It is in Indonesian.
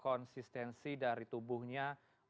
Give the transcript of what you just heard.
konsistensi dari tubuhnya